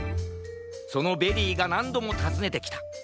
そのベリーがなんどもたずねてきた。